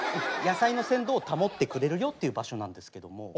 野菜の鮮度を保ってくれるよっていう場所なんですけども。